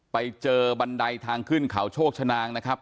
ไปเจอบันไดทางขึ้นเขาโชคชนางนะครับ